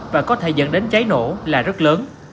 và có thể dẫn đến cháy nổ là rất lớn